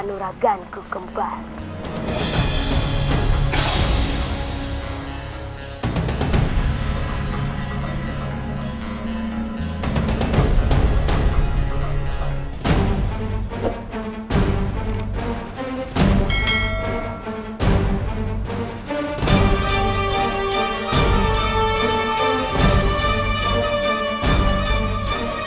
semoga kau cepat pulih